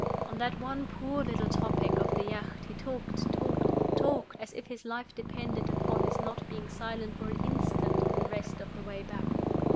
On that one poor little topic of the yacht he talked, talked, talked, as if his life depended upon his not being silent for an instant on the rest of the way back.